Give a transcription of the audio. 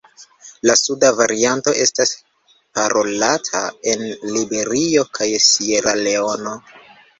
La suda varianto estas parolata en Liberio kaj Sieraleono.